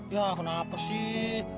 ya kenapa sih